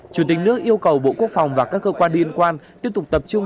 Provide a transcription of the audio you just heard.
chủ tịch nước yêu cầu bộ quốc phòng và các cơ quan liên quan tiếp tục tập trung